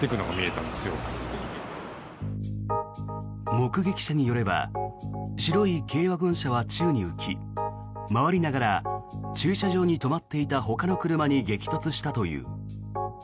目撃者によれば白い軽ワゴン車は宙に浮き回りながら駐車場に止まっていたほかの車に激突したという。